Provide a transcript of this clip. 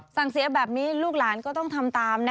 สั่งเสียแบบนี้ลูกหลานก็ต้องทำตามนะ